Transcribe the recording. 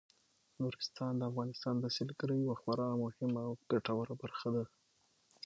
نورستان د افغانستان د سیلګرۍ یوه خورا مهمه او ګټوره برخه ده.